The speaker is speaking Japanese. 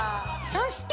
そして！